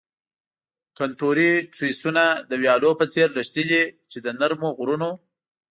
کنتوري تریسونه د ویالو په څیر لښتې دي چې د نرمو غرونو.